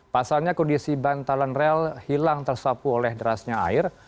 pasalnya kondisi bantalan rel hilang tersapu oleh derasnya air